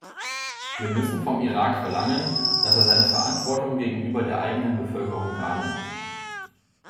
Wir müssen vom Irak verlangen, dass er seine Verantwortung gegenüber der eigenen Bevölkerung wahrnimmt.